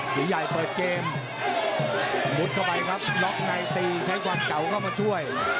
หรือยายเปิดเกมมุดเข้าไปครับล็อคในตีใช้กวัดเก๋าเข้ามาช่วย